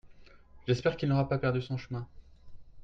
J'espère qu'il n'aura pas perdu son chemin !